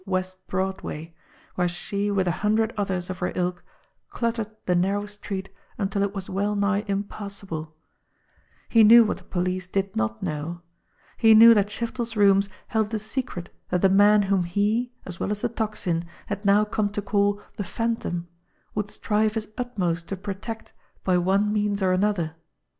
West Broadway, where she with a hundred others of her ilk cluttered the narrow street until it was well nigh impassable. He knew what the 48 JIMMIE DALE AND THE PHANTOM CLUE police did not know. He knew that Shiftel's rooms held a secret that the man whom he, as well as the Tocsin, had now come to call the Phantom would strive his utmost to protect by one means or another.